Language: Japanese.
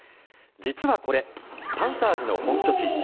実はこれ、パンサーズの本拠地